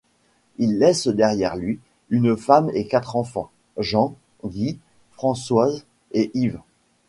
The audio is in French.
Il laisse derrière lui une femme et quatre enfants: Jean, Guy, Françoise et Yves.